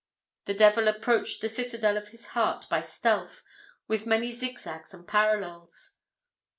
The devil approached the citadel of his heart by stealth, with many zigzags and parallels.